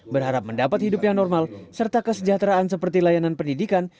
berharap mendapat hidup yang normal serta kesejahteraan seperti layanan pendidikan